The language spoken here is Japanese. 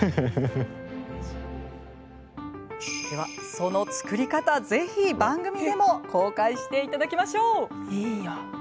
その作り方、ぜひ番組でも公開していただきましょう。